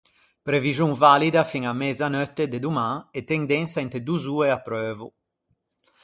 Previxon valida fin à mëzaneutte de doman e tendensa inte dozz’oe apreuvo.